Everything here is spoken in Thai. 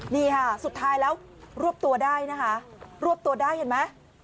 นี่ค่ะสุดท้ายแล้วรวบตัวได้นะคะรวบตัวได้เห็นไหม